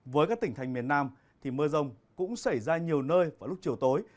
với các tỉnh thành miền nam thì mưa rông cũng xảy ra nhiều nơi vào lúc chiều tối